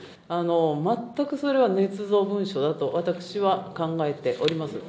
全くそれはねつ造文書だと、私は考えております。